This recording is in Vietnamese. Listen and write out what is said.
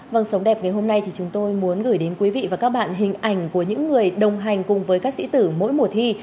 vâng sống đẹp ngày hôm nay thì chúng tôi muốn gửi đến quý vị và các bạn hình ảnh của những người đồng hành cùng với các sĩ tử mỗi mùa thi